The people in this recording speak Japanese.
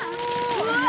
うわ。